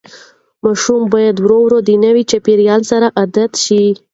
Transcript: ماشوم باید ورو ورو د نوي چاپېریال سره عادت شي.